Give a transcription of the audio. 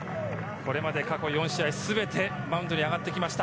これまで過去４試合すべてマウンドにあがってきました。